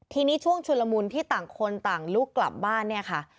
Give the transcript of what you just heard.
ทีนี้ช่วงชุลมุนที่ต่างคนต่างลุกกลับบ้านเนี่ยค่ะ